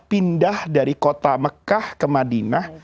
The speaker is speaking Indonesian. pindah dari kota mekah ke madinah